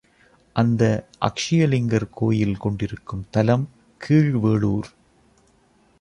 அந்த அக்ஷயலிங்கர் கோயில் கொண்டிருக்கும் தலம் கீழ் வேளூர்.